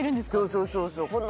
そうそうそうそう